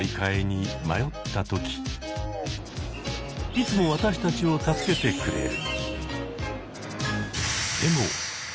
いつも私たちを助けてくれる。